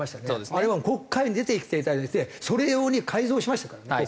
あれは国会に出てきていただいてそれ用に改造しましたからね国会を。